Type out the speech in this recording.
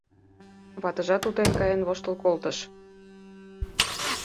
Ватыжат утен каен воштыл колтыш.